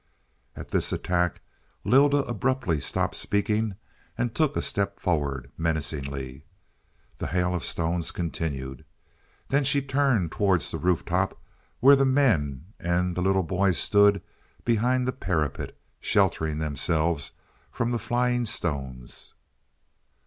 At this attack Lylda abruptly stopped speaking and took a step forward menacingly. The hail of stones continued. Then she turned towards the roof top, where the men and the little boy stood behind the parapet, sheltering themselves from the flying stones.